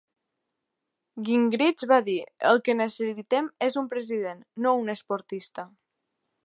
Gingrich va dir: El que necessitem és un president, no un esportista.